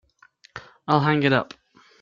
I'll hang it up.